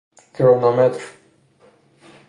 کرونومتر